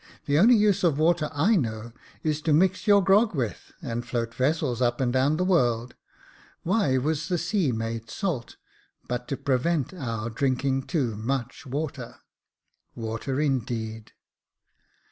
The only use of water I know is to mix your grog with, and float vessels up and down the world. Why was the sea made salt, but to prevent our drinking too much water. Water, indeed